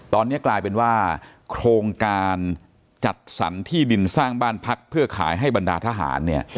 ตอนนี้กลายเป็นว่าโครงการจัดสรรที่ดินสร้างบ้านพักเพื่อขายให้บรรดาทหารเนี่ย